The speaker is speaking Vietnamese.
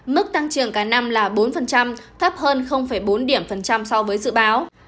mức tăng trưởng cả năm là bốn thấp hơn bốn điểm phần trăm so với dự báo